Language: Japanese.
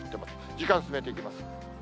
時間進めていきます。